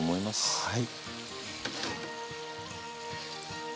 はい。